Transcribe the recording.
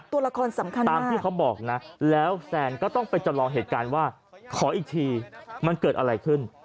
ตัวละครสำคัญตามที่เขาบอกนะแล้วแฟนก็ต้องไปจำลองเหตุการณ์ว่าขออีกทีมันเกิดอะไรขึ้น